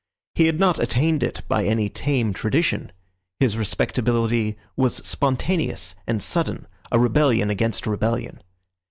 He had not attained it by any tame tradition. His respectability was spontaneous and sudden, a rebellion against rebellion.